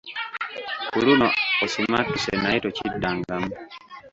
Ku luno osimattuse naye tokiddangamu.